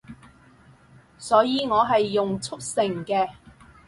所以我係用速成嘅